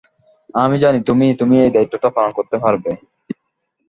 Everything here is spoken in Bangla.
আমি জানি তুমি, তুমি এই দায়িত্বটা পালন করতে পারবে।